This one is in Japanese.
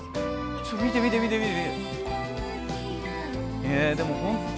ちょっと見て見て見て見て。